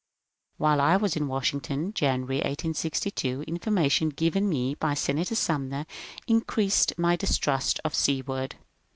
While I was in Washington (January, 1862), information given me by Senator Sumner increased my distrust of Sew ard.